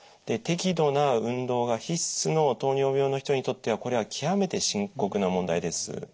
適度な運動が必須の糖尿病の人にとってはこれは極めて深刻な問題です。